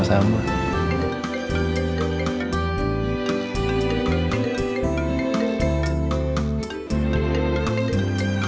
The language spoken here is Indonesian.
masya allah pak